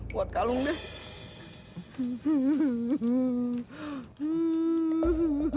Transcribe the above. buat kalung deh